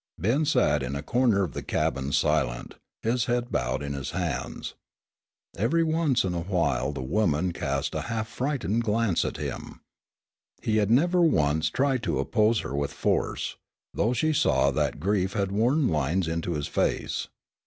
Ben sat in a corner of the cabin silent, his head bowed in his hands. Every once in a while the woman cast a half frightened glance at him. He had never once tried to oppose her with force, though she saw that grief had worn lines into his face.